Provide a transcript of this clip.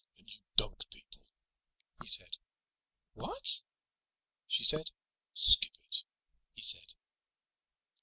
"And you dunk people," he said. "What?" she said. "Skip it," he said.